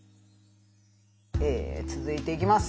続いていきます。